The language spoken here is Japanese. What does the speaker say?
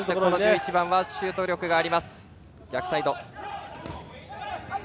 １１番はシュート力があります。